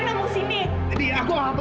siapa sih malam malam kayak gini